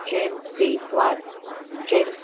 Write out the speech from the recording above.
JAMES C. FLOOD. James C.